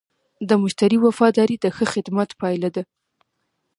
د مشتری وفاداري د ښه خدمت پایله ده.